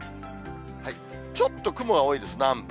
ちょっと雲が多いです、南部。